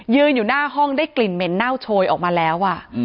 อยู่หน้าห้องได้กลิ่นเหม็นเน่าโชยออกมาแล้ว